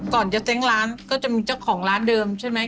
ก่อนจะเต็งร้านก็จะมีเจ้าของร้านเดิมใช่ไหม